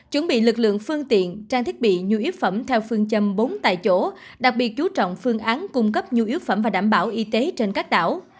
chuẩn bị lực lượng phương tiện trang thiết bị nhu yếu phẩm theo phương châm bốn tại chỗ đặc biệt chú trọng phương án cung cấp nhu yếu phẩm và đảm bảo y tế trên các đảo